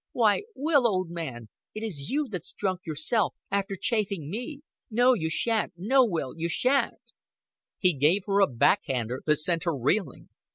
"Why, Will, old man, it is you that's drunk, yourself, after chaffing me? No, you shan't. No, Will, you shan't." He gave her a back hander that sent her reeling.